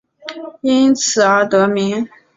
因此而得名。